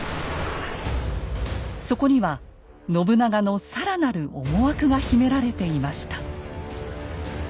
そこには信長の更なる思惑が秘められていました。